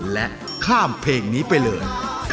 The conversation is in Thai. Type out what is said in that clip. และข้ามเพลงนี้ไปเลย